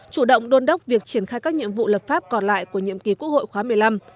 chủ động đôn đốc việc triển khai các nhiệm vụ lập pháp còn lại của nhiệm kỳ quốc hội khóa một mươi năm